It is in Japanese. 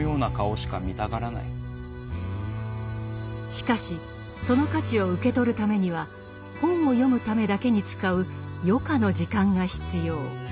しかしその価値を受け取るためには本を読むためだけに使う「余暇」の時間が必要。